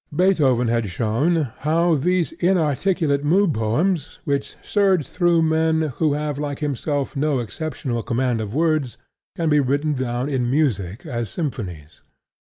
Beethoven had shown how those inarticulate mood poems which surge through men who have, like himself, no exceptional command of words, can be written down in music as symphonies.